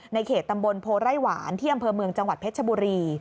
เขตตำบลโพไร่หวานที่อำเภอเมืองจังหวัดเพชรชบุรี